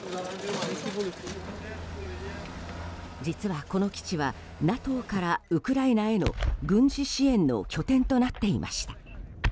実は、この基地はＮＡＴＯからウクライナへの軍事支援の拠点となっていました。